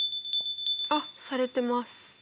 あっされてます！